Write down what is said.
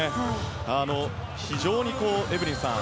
非常にエブリンさん